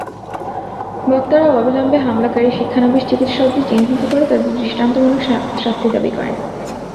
বক্তারা অবিলম্বে হামলাকারী শিক্ষানবিশ চিকিৎসকদের চিহ্নিত করে তাঁদের দৃষ্টান্তমূলক শাস্তি দাবি করেন।